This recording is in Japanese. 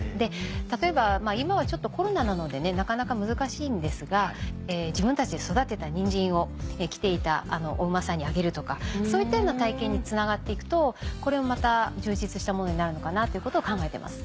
例えば今はちょっとコロナなのでなかなか難しいんですが自分たちで育てたニンジンを来ていたお馬さんにあげるとかそういったような体験につながって行くとこれも充実したものになるのかなということを考えてます。